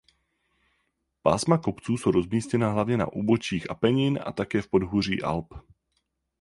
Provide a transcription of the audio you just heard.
Pásma kopců jsou rozmístěna hlavně na úbočích Apenin a také v podhůří Alp.